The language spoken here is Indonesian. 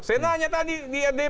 saya tanya tadi di adp